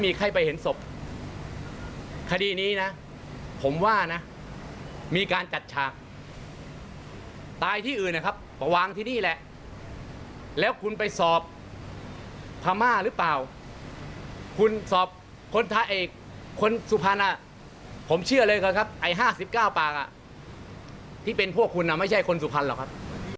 ที่เป็นพวกคุณไม่ใช่คนสุพันธุ์เหรอครับ